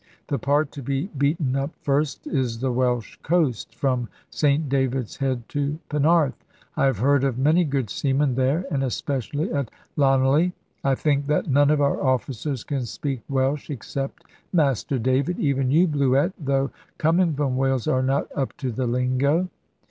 The part to be beaten up first is the Welsh coast, from St David's Head to Penarth. I have heard of many good seamen there, and especially at Llanelly. I think that none of our officers can speak Welsh, except Master David. Even you, Bluett, though coming from Wales, are not up to the lingo."